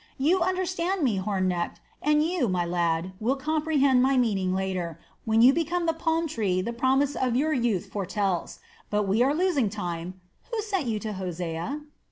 You understand me, Hornecht, and you, my lad, will comprehend my meaning later, when you become the palm tree the promise of your youth foretells. But we are losing time. Who sent you to Hosea?"